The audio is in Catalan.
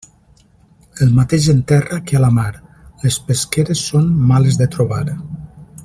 El mateix en terra que a la mar, les pesqueres són males de trobar.